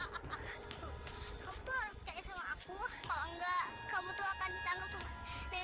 tapi kita mau pergi jauh dari sini